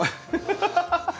ハハハハ！